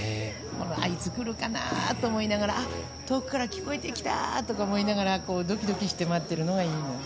いつ来るかな？と思いながらあっ、遠くから聞こえてきた！とか思いながらドキドキして待っているのがいいんですよね。